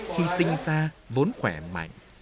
khi sinh ra vốn khỏe mạnh